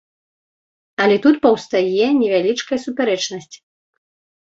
Але тут паўстае невялічкая супярэчнасць.